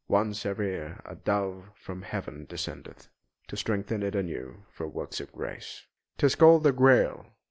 Once ev'ry year a dove from Heaven descendeth, To strengthen it anew for works of grace; 'Tis called the Grail!..."